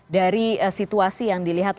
dari situasi yang dilihatnya